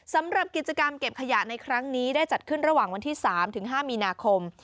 สำหรับกิจกรรมเก็บขยะในครั้งนี้ได้จัดขึ้นระหว่างวันที่๓ถึง๕มีนาคม